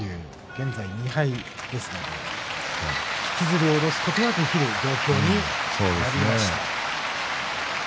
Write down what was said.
現在２敗ですので引きずり下ろすことができる状況になりました。